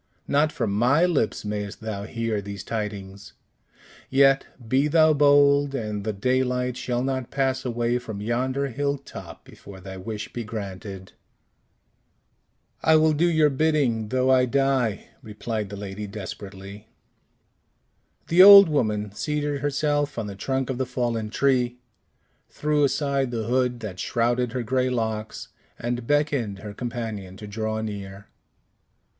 "Not from my lips mayst thou hear these tidings; yet, be thou bold, and the daylight shall not pass away from yonder hill top before thy wish be granted." "I will do your bidding though I die," replied the lady desperately. The old woman seated herself on the trunk of the fallen tree, threw aside the hood that shrouded her gray locks, and beckoned her companion to draw near.